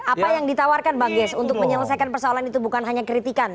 apa yang ditawarkan bang gies untuk menyelesaikan persoalan itu bukan hanya kritikan